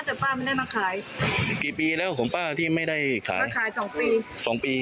แต่ป้าไม่ได้มาขายกี่ปีแล้วของป้าที่ไม่ได้ขายป้าขายสองปีสองปี